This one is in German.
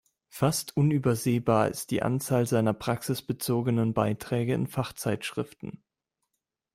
Fast unübersehbar ist die Anzahl seiner praxisbezogenen Beiträge in Fachzeitschriften.